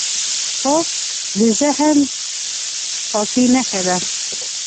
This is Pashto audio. خوب د ذهن پاکۍ نښه ده